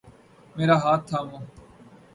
میرا ہاتھ تھامو